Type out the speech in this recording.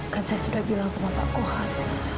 kan saya sudah bilang sama pak kuhat